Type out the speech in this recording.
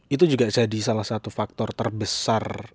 itu juga jadi salah satu faktor terbesar